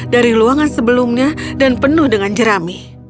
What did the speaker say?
dari ruangan sebelumnya dan penuh dengan jerami